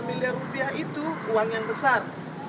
lima miliar rupiah itu uang yang besar